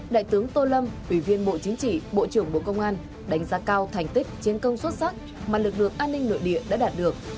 đại tướng tô lâm ủy viên bộ chính trị bộ trưởng bộ công an đánh giá cao thành tích chiến công xuất sắc mà lực lượng an ninh nội địa đã đạt được